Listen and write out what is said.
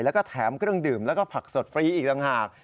แล้วก็แถมเครื่องดื่มแล้วก็ผักสดฟรีอีกต่างหาก